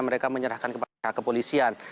mereka menyerahkan kepada pihak kepolisian